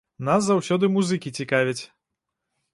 Нас заўсёды музыкі цікавяць.